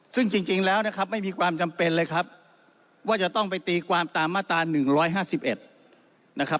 ซึ่งจริงแล้วนะครับไม่มีความจำเป็นเลยครับว่าจะต้องไปตีความตามมาตรา๑๕๑นะครับ